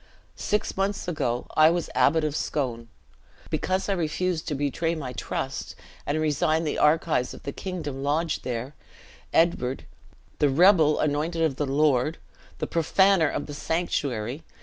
Six months ago I was Abbot of Scone. Because I refused to betray my trust, and resign the archives of the kingdom lodged there, Edward, the rebel anointed of the Lord! the profaner of the sanctuary!